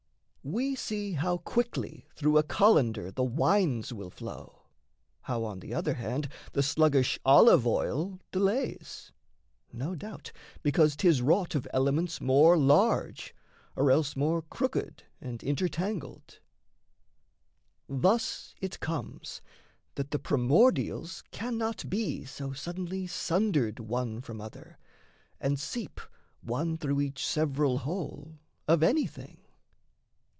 We see how quickly through a colander The wines will flow; how, on the other hand, The sluggish olive oil delays: no doubt, Because 'tis wrought of elements more large, Or else more crook'd and intertangled. Thus It comes that the primordials cannot be So suddenly sundered one from other, and seep, One through each several hole of anything.